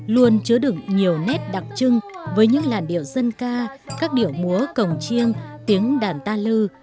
luôn chứa đựng nhiều nét đặc trưng với những làn điệu dân ca các điệu múa cổng chiêng tiếng đàn ta lư